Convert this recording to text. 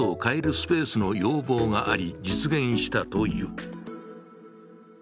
スペースの要望があり実現したという。